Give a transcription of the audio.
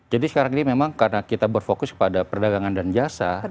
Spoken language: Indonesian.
jadi sekarang ini memang karena kita berfokus pada perdagangan dan jasa